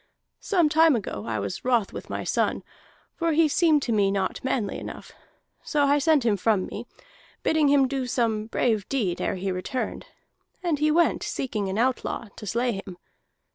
Some time ago I was wroth with my son, for he seemed to me not manly enough. So I sent him from me, bidding him do some brave deed ere he returned. And he went seeking an outlaw, to slay him.